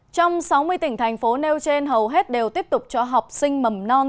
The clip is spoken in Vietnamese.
trong sáu mươi tỉnh thành phố nêu trên hầu hết đều tiếp tục cho học sinh mầm non